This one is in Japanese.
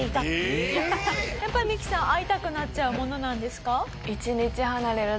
やっぱりミキさん会いたくなっちゃうものなんですか？